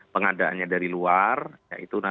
pengadaannya dari luar ya itu nanti kita bisa menggabungkan